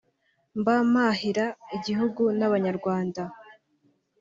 mba mpahira igihugu n’Abanyarwanda